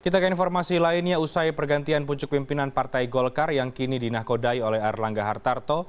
kita ke informasi lainnya usai pergantian pucuk pimpinan partai golkar yang kini dinakodai oleh erlangga hartarto